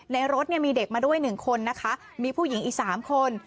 ในรถมีเด็กมาด้วยหนึ่งคนมีผู้หญิงอีก๓คน